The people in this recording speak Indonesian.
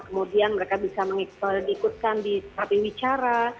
kemudian mereka bisa diikutkan di terapi wicara